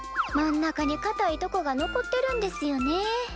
真ん中にかたいとこが残ってるんですよね。